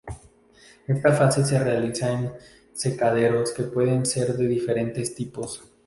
Esta fase se realiza en secaderos que pueden ser de diferentes tipos.